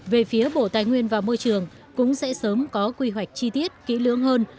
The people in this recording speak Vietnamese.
về phía bộ tài nguyên và môi trường cũng sẽ sớm có quy hoạch chi tiết kỹ lưỡng hơn